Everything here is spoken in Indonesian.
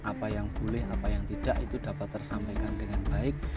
apa yang boleh apa yang tidak itu dapat tersampaikan dengan baik